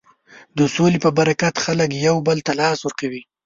د سولې په برکت خلک یو بل ته لاس ورکوي.